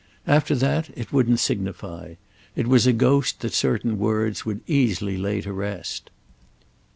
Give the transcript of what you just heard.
After that it wouldn't signify—it was a ghost that certain words would easily lay to rest.